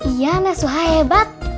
iya nesuha hebat